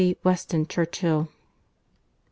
WESTON CHURCHILL.